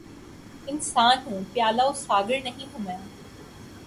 انسان ہوں‘ پیالہ و ساغر نہیں ہوں میں!